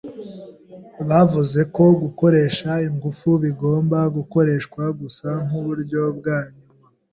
Bavuze ko gukoresha ingufu bigomba gukoreshwa gusa nkuburyo bwa nyuma.